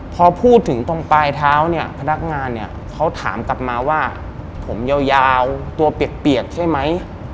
พอพูดถึงตรงปลายเท้าเนี่ยพนักงานเนี่ยเขาถามกลับมาว่าผมยาวตัวเปียกใช่ไหม